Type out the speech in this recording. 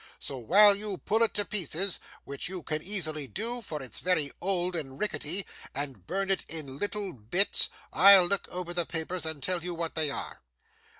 So while you pull it to pieces (which you can easily do, for it's very old and rickety) and burn it in little bits, I'll look over the papers and tell you what they are.